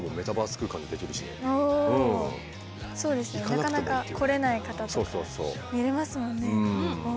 なかなか来れない方とか見れますもんね。